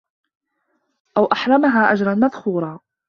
أَوْ أَحْرَمَهَا أَجْرًا مَذْخُورًا